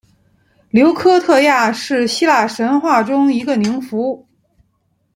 琉科忒亚是希腊神话中一个宁芙。